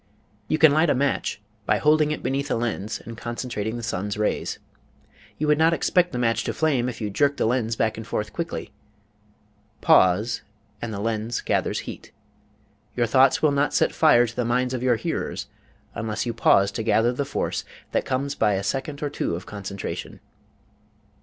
You can light a match by holding it beneath a lens and concentrating the sun's rays. You would not expect the match to flame if you jerked the lens back and forth quickly. Pause, and the lens gathers the heat. Your thoughts will not set fire to the minds of your hearers unless you pause to gather the force that comes by a second or two of concentration.